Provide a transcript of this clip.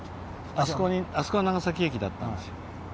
あそこが長崎駅だったんですよ。